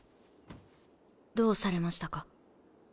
どうされましたか？